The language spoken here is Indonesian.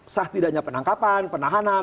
sahtidanya penangkapan penahanan